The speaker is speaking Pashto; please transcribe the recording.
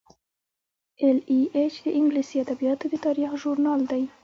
ای ایل ایچ د انګلیسي ادبیاتو د تاریخ ژورنال دی.